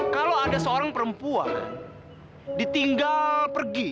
kamu doang yang pergi